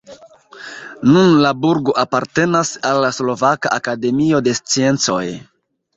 Nun la burgo apartenas al la Slovaka Akademio de Sciencoj.